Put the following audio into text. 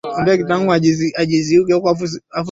lugha ya elimu nchini kwa kutumia Kiswahili kwenye